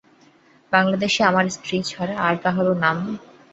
বাংলাদেশে আমার স্ত্রী ছাড়া আর কাহারো নাম নির্ঝরিণী আছে কি।